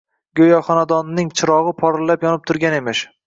Go‘yo xonadonining chirog‘i porillab yonib turgan emish